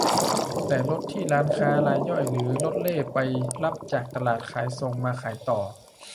แต่รถที่ร้านค้ารายย่อยหรือรถเร่ไปรับจากตลาดขายส่งมาขายต่อ